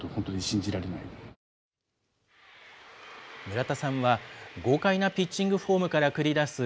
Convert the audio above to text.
村田さんは、豪快なピッチングフォームから繰り出す